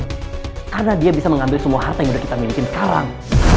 karena dia bisa mengambil semua harta yang udah kita miliki sekarang